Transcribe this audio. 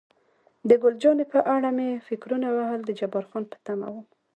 د ګل جانې په اړه مې فکرونه وهل، د جبار خان په تمه وم.